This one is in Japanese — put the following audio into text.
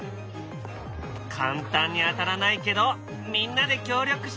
簡単に当たらないけどみんなで協力して。